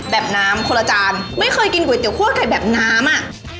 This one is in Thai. แบบน้ำคนละจานไม่เคยกินก๋วยเตี๋คั่วไก่แบบน้ำอ่ะ